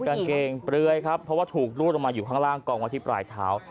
กางเกงเปลือยครับเพราะว่าถูกรูดลงมาอยู่ข้างล่างกองไว้ที่ปลายเท้า